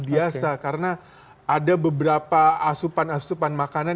biasa karena ada beberapa asupan asupan makanan